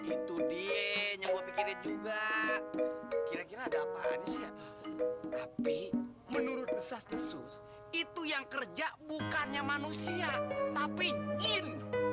itu dia juga kira kira tapi menurut sastis itu yang kerja bukannya manusia tapi jin